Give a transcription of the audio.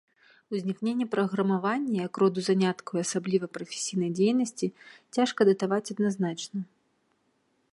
Узнікненне праграмавання як роду заняткаў, і, асабліва, як прафесійнай дзейнасці, цяжка датаваць адназначна.